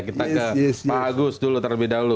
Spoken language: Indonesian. kita ke pak agus dulu terlebih dahulu